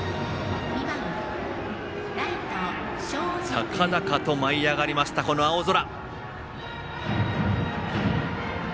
高々と舞い上がりました、青空。